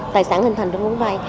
tài sản hình thành được vay